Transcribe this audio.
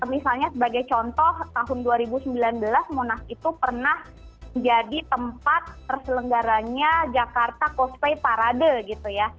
misalnya sebagai contoh tahun dua ribu sembilan belas monas itu pernah menjadi tempat terselenggaranya jakarta cosplay parade gitu ya